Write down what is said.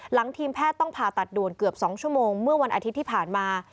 ทีมแพทย์ต้องผ่าตัดด่วนเกือบ๒ชั่วโมงเมื่อวันอาทิตย์ที่ผ่านมา